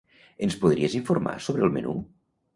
Ens podries informar sobre el menú?